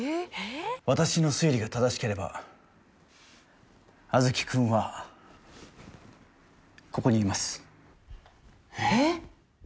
私の推理が正しければあずき君はここにいますえっ？